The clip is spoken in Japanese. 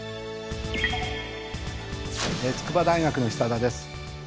筑波大学の久田です。